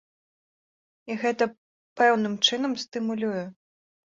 І гэта пэўным чынам стымулюе.